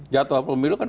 jadwal pemilu kan